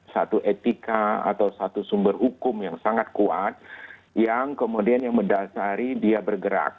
satu etika atau satu sumber hukum yang sangat kuat yang kemudian yang mendasari dia bergerak